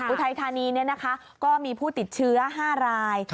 อุทัยธานีก็มีผู้ติดเชื้อ๕ราย